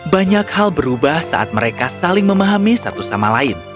banyak hal berubah saat mereka saling memahami satu sama lain